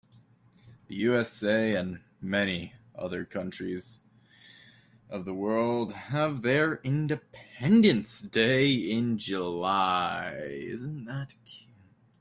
The USA and many other countries of the world have their independence day in July.